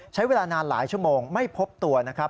ใช้เวลานานหลายชั่วโมงไม่พบตัวนะครับ